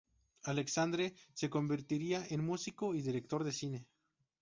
Alexandre se convertiría en músico y director de cine.